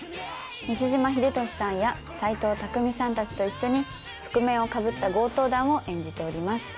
西島秀俊さんや斎藤工さんたちと一緒に覆面をかぶった強盗団を演じております。